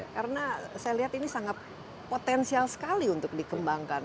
karena saya lihat ini sangat potensial sekali untuk dikembangkan